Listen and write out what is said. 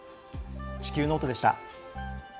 「地球ノート」でした。